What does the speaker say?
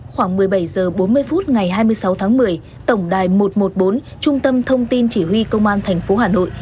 khoảng một mươi bảy h bốn mươi phút ngày hai mươi sáu tháng một mươi tổng đài một trăm một mươi bốn trung tâm thông tin chỉ huy công an tp hà nội